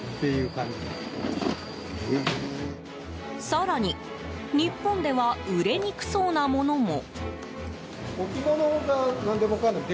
更に、日本では売れにくそうなものも。